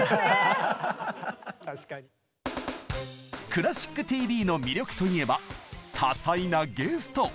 「クラシックＴＶ」の魅力といえば多彩なゲスト！